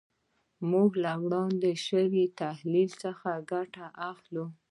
موږ له وړاندې شوي تحلیل څخه ګټه اخلو.